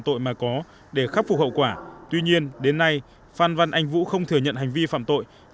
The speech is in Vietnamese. tội mà có để khắc phục hậu quả tuy nhiên đến nay phan văn anh vũ không thừa nhận hành vi phạm tội